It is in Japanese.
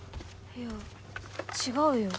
いや違うよ。